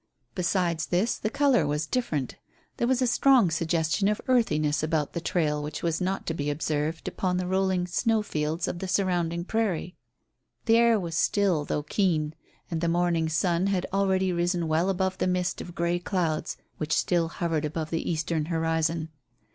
Besides this, the colour was different. There was a strong suggestion of earthiness about the trail which was not to be observed upon the rolling snow fields of the surrounding prairie. The air was still though keen, and the morning sun had already risen well above the mist of grey clouds which still hovered above the eastern horizon.